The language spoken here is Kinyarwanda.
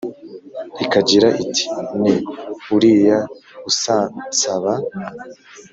ikagira iti: ‘ni uriya usansaba’,